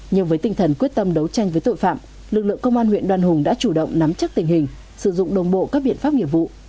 nhưng với tinh thần quyết tâm đấu tranh với tội phạm lực lượng công an huyện đoan hùng đã chủ động nắm chắc tình hình sử dụng đồng bộ các biện pháp nghiệp vụ